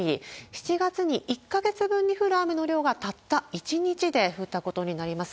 ７月に１か月分に降る雨の量がたった１日で降ったことになります。